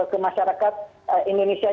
ke masyarakat indonesia